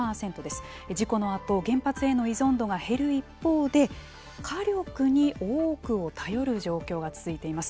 事故のあと、原発への依存度が減る一方で火力に多くを頼る状況が続いています。